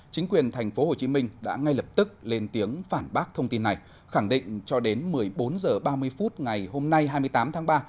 chính quyền tp hcm đã ngay lập tức lên tiếng phản bác thông tin này khẳng định cho đến một mươi bốn h ba mươi phút ngày hôm nay hai mươi tám tháng ba